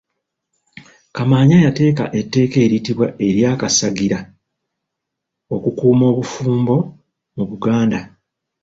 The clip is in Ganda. Kamaanya yateeka etteeka eryitibwa ery'akasagira okukuuma obufumbo mu Buganda.